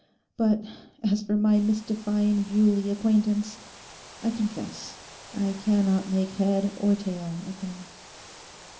But as for my mystifying Bewley acquaintance—I confess I cannot make head or tail of him.